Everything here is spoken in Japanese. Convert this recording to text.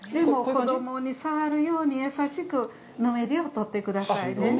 子供に触るように、優しくぬめりを取ってください。